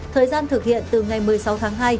thời gian thực hiện từ ngày một mươi sáu tháng hai